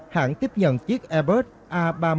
hãng tiếp nhận chiếc airbus a ba trăm một mươi chín